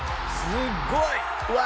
すごい。